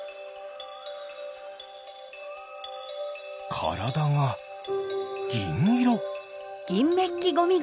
からだがぎんいろ。